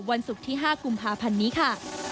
วันศุกร์ที่๕กุมภาพันธ์นี้ค่ะ